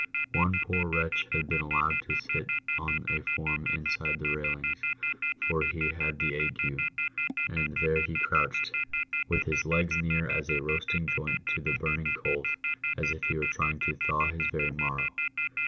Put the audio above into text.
One poor wretch had been allowed to sit on a form inside the railings, for he had the ague, and there he crouched, with his legs near as a roasting joint to the burning coals, as if he were trying to thaw his very marrow.